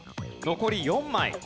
残り４枚。